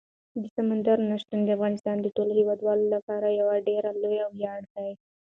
سمندر نه شتون د افغانستان د ټولو هیوادوالو لپاره یو ډېر لوی ویاړ دی.